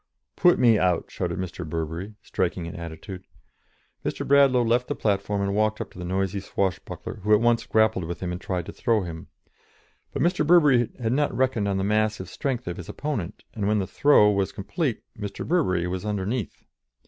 "Put me out!" shouted Mr. Burbery, striking an attitude. Mr. Bradlaugh left the platform and walked up to the noisy swashbuckler, who at once grappled with him and tried to throw him. But Mr. Burbery had not reckoned on the massive strength of his opponent, and when the "throw" was complete Mr. Burbery was underneath.